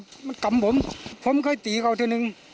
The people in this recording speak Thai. อยู่ไมกับผมผมค่อยตีเขาทำหนึ่ง